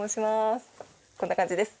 こんな感じです。